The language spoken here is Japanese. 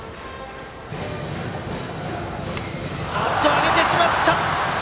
上げてしまった！